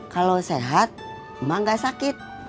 kalau sehat emang gak sakit